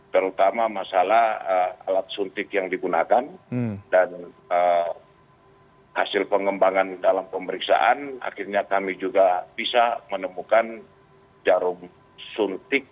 terutama masalah alat suntik yang digunakan dan hasil pengembangan dalam pemeriksaan akhirnya kami juga bisa menemukan jarum suntik